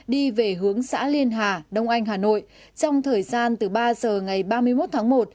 đi về hướng xã liên hà đông anh hà nội trong thời gian từ ba giờ ngày ba mươi một tháng một